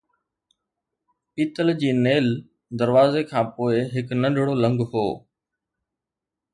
پيتل جي نيل دروازي کان پوءِ هڪ ننڍڙو لنگهه هو